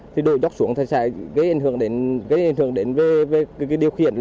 thì đổ dốc xuống sẽ gây ảnh hưởng đến điều khiển